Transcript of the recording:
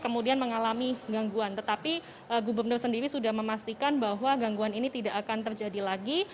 kemudian mengalami gangguan tetapi gubernur sendiri sudah memastikan bahwa gangguan ini tidak akan terjadi lagi